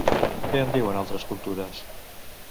Què en diuen altres cultures?